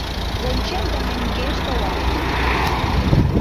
Вончем да мӧҥгеш толам.